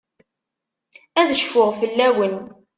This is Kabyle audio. Ad cfuɣ fell-awen.